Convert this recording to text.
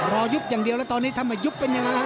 ยุบอย่างเดียวแล้วตอนนี้ถ้ามายุบเป็นยังไงฮะ